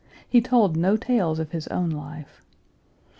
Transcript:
He told no tales of his own life.